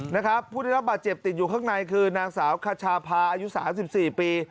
นะครับผู้ได้รับบาดเจ็บติดอยู่ข้างในคือนางสาวคชาพาอายุสามสิบสี่ปี